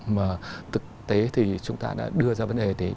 mà thực tế thì chúng ta đã đưa ra vấn đề